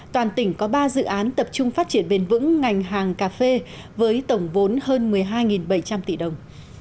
toàn tỉnh có ba dự án tập trung phát triển bền vững ngành hàng cà phê với tổng vốn hơn một mươi hai bảy trăm linh tỷ đồng